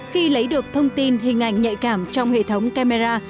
khi lấy được thông tin hình ảnh nhạy cảm trong hệ thống camera